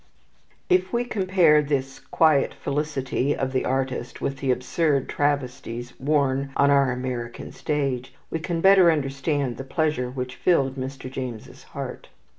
If we compare this "quiet felicity" of the artist with the absurd travesties worn on our American stage, we can better understand the pleasure which filled Mr. James's heart.